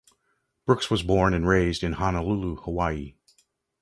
Brooks was born and raised in Honolulu, Hawaii.